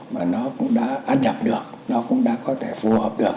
mà nó cũng đã ăn nhập được nó cũng đã có thể phù hợp được